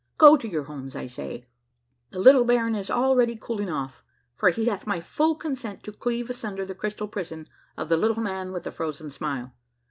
Go to your homes, I say ; the little baron is already cool ing off, for he hath m3' full consent to cleave asunder the cr3'stal prison of the Little Man with the Frozen Smile.